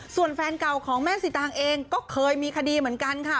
ส่วนแฟนเก่าของแม่สิตางเองก็เคยมีคดีเหมือนกันค่ะ